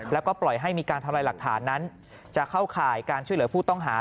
แล้วก็ปล่อยให้มีการทำลายหลักฐานนั้นจะเข้าข่ายการช่วยเหลือผู้ต้องหา